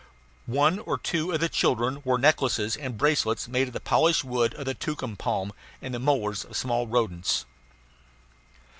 One or two of the children wore necklaces and bracelets made of the polished wood of the tucum palm, and of the molars of small rodents.